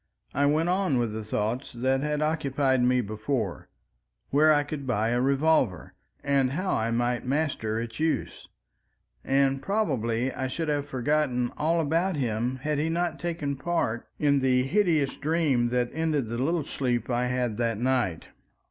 I went on with the thoughts that had occupied me before—where I could buy a revolver, and how I might master its use—and probably I should have forgotten all about him had he not taken a part in the hideous dream that ended the little sleep I had that night.